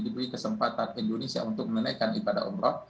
diberi kesempatan indonesia untuk menaikkan ibadah umroh